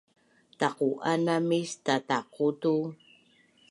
Taqu’anam is tataqu tu